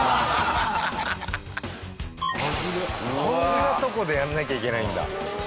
こんなとこでやらなきゃいけないんだ。